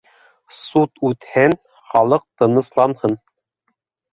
Суд үтһен, халыҡ тынысланһын...